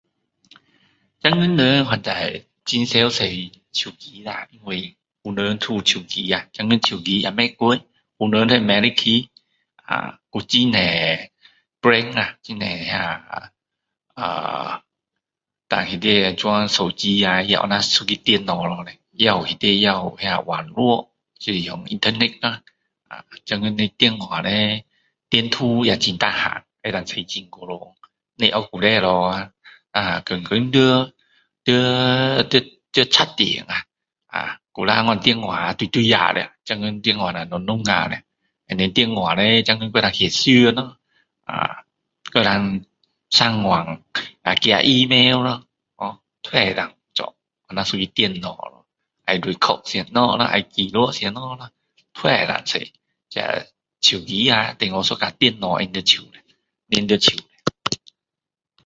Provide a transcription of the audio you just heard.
现在的人反正都是很长常用手机啊我们每个人都有手机啊现今手机也不贵每个人都买得起有很多brand啊很多啊dan现在手机就像一个电脑那样也有里面也有那网络就是那internet啦现今的电话叻电池也很好不是像之前那样天天要天天要插电啊啊以前的电话大大架的现在的小小架的现今的电话叻还可以照相咯还可以上网寄email咯ho dan都可以做像一个电脑那样要record什么啦要录什么啦都能够用这手机啊就像一架电脑那些放在手的粘在手的